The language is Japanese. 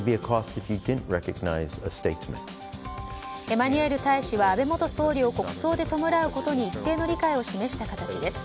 エマニュエル大使は安倍元総理を国葬で弔うことに一定の理解を示した形です。